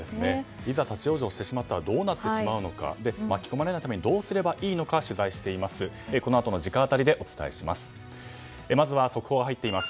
いざ立ち往生してしまったらどうなってしまうのか巻き込まれないためにどうすればいいのか取材しています。